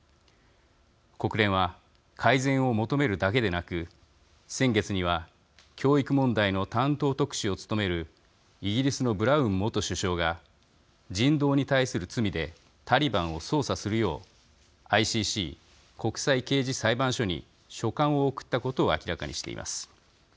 国連は改善を求めるだけでなく先月には教育問題の担当特使を務めるイギリスのブラウン元首相が人道に対する罪でタリバンを捜査するようＩＣＣ国際刑事裁判所に書簡を送ったことを明らかにしています。